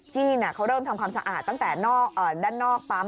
จีนเขาเริ่มทำความสะอาดตั้งแต่ด้านนอกปั๊ม